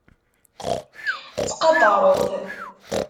Ttqadaṛet.